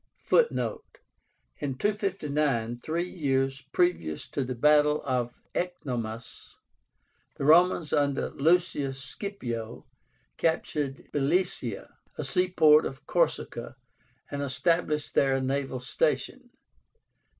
(Footnote: In 259, three years previous to the battle of Ecnomus, the Romans under Lucius Scipio captured Blesia, a seaport of Corsica, and established there a naval station.)